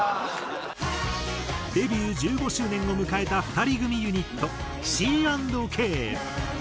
デビュー１５周年を迎えた２人組ユニットＣ＆Ｋ。